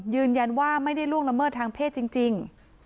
ยืนยันว่าไม่ได้ล่วงละเมิดทางเพศจริง